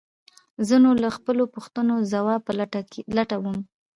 زه نو د خپلو پوښتنو د ځواب په لټه وم.